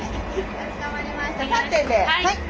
はい。